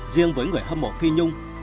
riêng với người hâm mộ phi nhung